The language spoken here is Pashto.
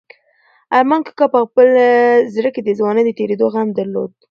ارمان کاکا په خپل زړه کې د ځوانۍ د تېرېدو غم درلود.